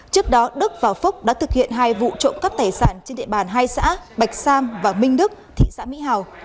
trước đó đức và phúc đã thực hiện hai vụ trộm cắp tài sản trên địa bàn hai xã bạch sam và minh đức thị xã mỹ hào